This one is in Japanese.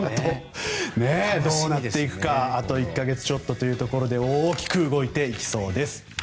どうなっていくかあと１か月ちょっとというところで大きく動いていきそうです。